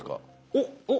おっおっ！